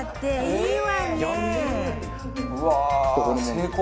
いいわね！